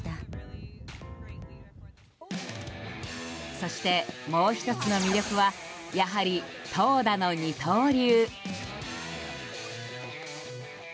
そして、もう１つの魅力はやはり投打の二刀流。